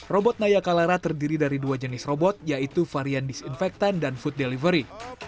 robot nayakalara terdiri dari dua jenis robot yaitu varian disinfektan dan food delivery